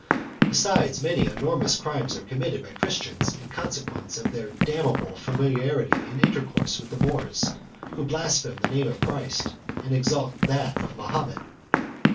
Besides, many enormous crimes are committed by Christians, in consequence of their damnable familiarity and intercourse with the Moors, who blaspheme the name of Christ and exalt that of Mahomet.